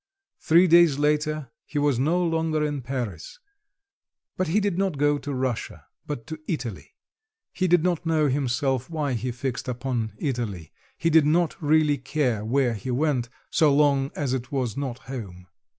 Three days later he was no longer in Paris; but he did not go to Russia, but to Italy. He did not know himself why he fixed upon Italy; he did not really care where he went so long as it was not home.